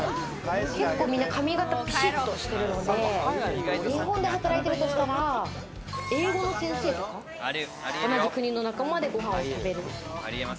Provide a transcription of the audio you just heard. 結構みんな髪形ぴしっとしてるので、日本で働いてるとしたら英語の先生とか同じ国の仲間で、ご飯を食べる。